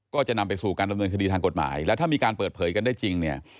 ก็จะนำไปสู่การดำเนินคดีทางกฎหมายแล้วถ้ามีการเปิดเผยกันได้จริงเนี่ย